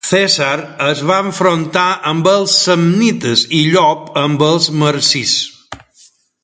Cèsar es va enfrontar amb els samnites i Llop amb els marsis.